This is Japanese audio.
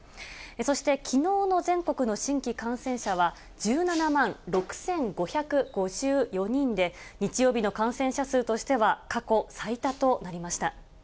そして、きのうの全国の新規感染者は、１７万６５５４人で、日曜日の感染者数としては、過去最多となりました。